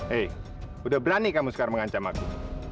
hei sudah berani kamu sekarang mengancam aku